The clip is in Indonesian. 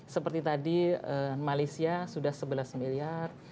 seperti tadi malaysia sudah sebelas miliar